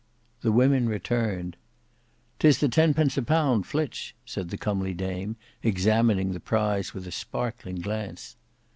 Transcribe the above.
The women returned. "'Tis the tenpence a pound flitch," said the comely dame examining the prize with a sparkling glance.